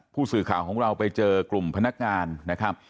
ผู้สื่อข่าวของเราไปเจอกลุ่มพนักงานนะครับ